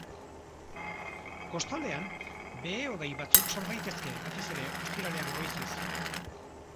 Kostaldean, behe-hodei batzuk sor daitezke, batez ere, ostiralean goizez.